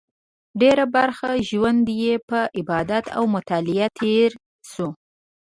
ډېره برخه ژوند یې په عبادت او مطالعه تېر شو.